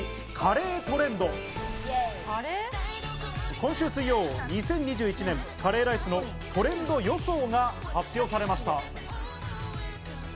今週水曜、２０２１年カレーライスのトレンド予想が発表されました。